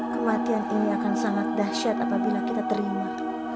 kematian ini akan sangat dahsyat apabila kita terima